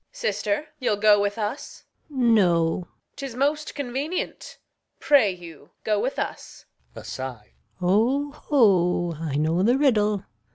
Sister, you'll go with us? Gon. No. Reg. 'Tis most convenient. Pray you go with us. Gon. [aside] O, ho, I know the riddle.